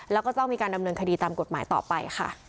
แล้วก็ต้องมีการดำเนินคดีตามกฎหมายต่อไปค่ะ